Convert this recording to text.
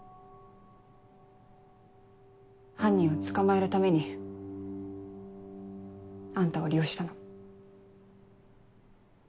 犯人を捕まえるためにあんたを利用したの。